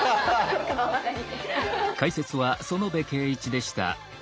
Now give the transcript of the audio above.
かわいい！